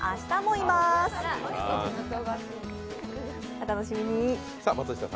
お楽しみに。